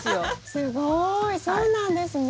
すごいそうなんですね。